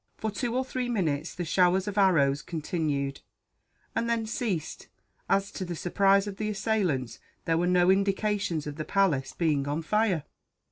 For two or three minutes the showers of arrows continued; and then ceased as, to the surprise of the assailants, there were no indications of the palace being on fire.